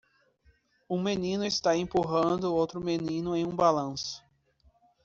Um menino está empurrando outro menino em um balanço.